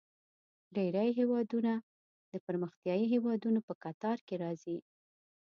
ډیری هیوادونه د پرمختیايي هیوادونو په کتار کې راځي.